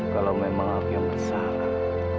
kalau memang aku yang bersalah